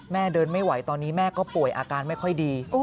เดินไม่ไหวตอนนี้แม่ก็ป่วยอาการไม่ค่อยดี